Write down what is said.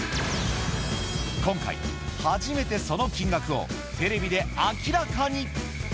今回、初めてその金額をテレビで明らかに。